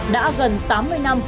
đã gần tám năm